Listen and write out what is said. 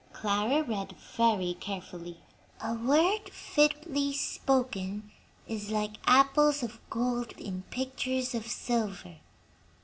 Clara read very carefully: "'A word fitly spoken is like apples of gold in pictures of silver.'